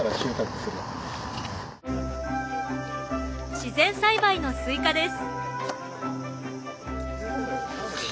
自然栽培のスイカです。